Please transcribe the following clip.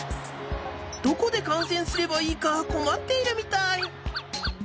どこでかんせんすればいいかこまっているみたい。